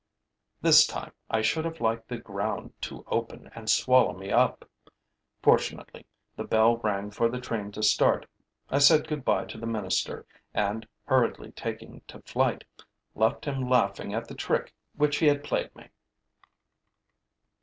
This time, I should have liked the ground to open and swallow me up. Fortunately, the bell rang for the train to start. I said goodbye to the minister and, hurriedly taking to flight, left him laughing at the trick which he had played me.